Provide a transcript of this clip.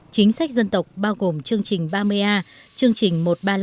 chính sách dân tộc bao gồm chương trình ba mươi a chương trình một trăm ba mươi năm